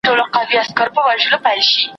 مځکه ئې سره کړه، د پلانۍ ئې پر شپه کړه.